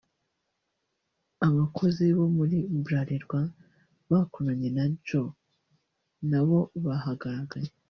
Abakozi bo muri Bralirwa bakoranye na Joe nabo bahagaragaye